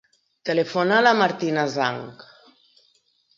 Telefona a la Martina Zhang.